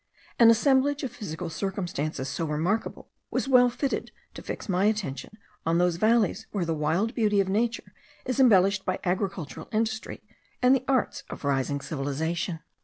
An assemblage of physical circumstances so remarkable was well fitted to fix my attention on those valleys where the wild beauty of nature is embellished by agricultural industry, and the arts of rising civilization.